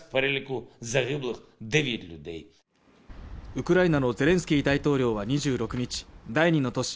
ウクライナのゼレンスキー大統領は２６日第２の都市